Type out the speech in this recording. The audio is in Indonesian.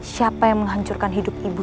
siapa yang menghancurkan hidup ibu